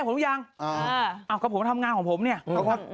กลยงวารอดอยเบอร์เซ็งไคล์เหมือนกันนะ